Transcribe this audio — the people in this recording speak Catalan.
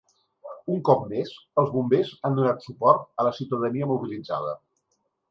Un cop més, els bombers han donat suport a la ciutadania mobilitzada.